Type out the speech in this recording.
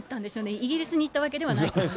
イギリスに行ったわけではないと思います。